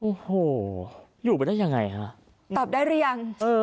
โอ้โหอยู่ไปได้ยังไงฮะตอบได้หรือยังเออ